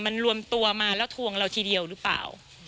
มันรวมตัวมาแล้วทวงเราทีเดียวหรือเปล่า